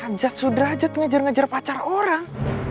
ajat sudra ajat ngejar ngejar pacar orang